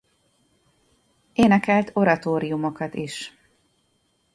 Énekelt oratóriumokat is.